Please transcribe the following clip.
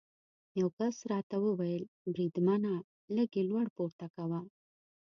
یو کس راته وویل: بریدمنه، لږ یې لوړ پورته کوه.